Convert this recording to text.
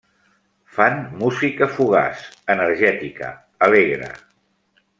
Fan música fugaç, energètica, alegre.